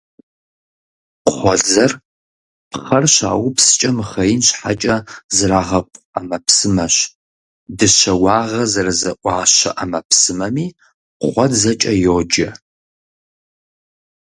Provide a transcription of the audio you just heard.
Кхъуэдзэр пхъэр щаупскӀэ мыхъеин щхьэкӀэ зрагъэкъу ӏэмэпсымэщ. Дыщэ уагъэ зэрызэӏуащэ ӏэмэпсымэми кхъуэдзэкӏэ йоджэ.